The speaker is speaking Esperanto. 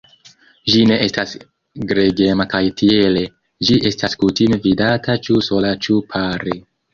Ĝi ne estas gregema kaj tiele ĝi estas kutime vidata ĉu sola ĉu pare.